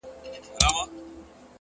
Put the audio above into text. انسان د خپلو افکارو هنداره ده.!